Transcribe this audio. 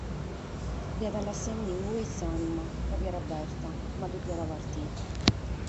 Fiat lassende in ie s’ànima, chi fiat Berta; ma depiat partire.